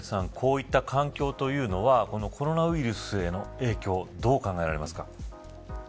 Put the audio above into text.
こういった環境というのはコロナウイルスへの影響どう考えられますか。